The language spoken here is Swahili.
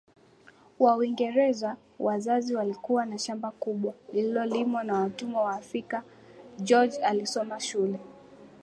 wa UingerezaWazazi walikuwa na shamba kubwa lililolimwa na watumwa WaafrikaGeorge alisoma shule